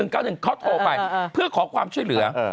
เขาโทรไปเพื่อขอความช่วยเหลือ